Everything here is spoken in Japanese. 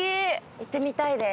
行ってみたいです。